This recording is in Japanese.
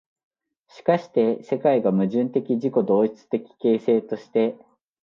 しかして世界が矛盾的自己同一的形成として、